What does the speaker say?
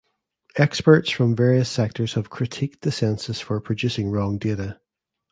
Experts from various sectors have critiqued the census for producing wrong data.